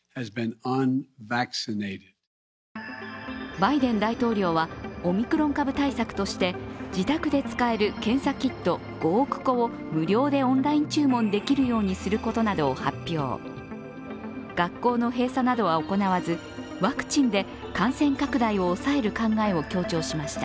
バイデン大統領はオミクロン株対策として自宅で使える検査キット５億個を無料でオンライン注目できるようにすることなどを発表、学校の閉鎖などは行わず、ワクチンで感染拡大を抑える考えを強調しました。